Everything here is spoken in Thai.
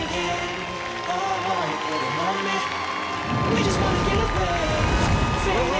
แล้วยังคิดเคลืออยู่บนไอน์